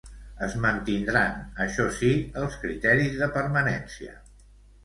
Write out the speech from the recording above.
Es mantindran, això sí, els criteris de permanència.